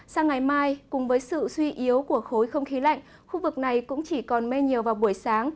sang ngày mai cùng với sự suy yếu của khối không khí lạnh khu vực này cũng chỉ còn mây nhiều vào buổi sáng